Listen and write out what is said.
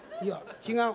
違う！